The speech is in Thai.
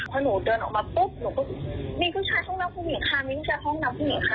พอหนูเดินออกมาปุ๊บหนูก็มีผู้ชายห้องน้ำผู้หญิงค่ะมีผู้ชายห้องน้ำผู้หญิงค่ะ